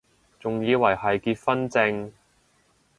仲以為係結婚証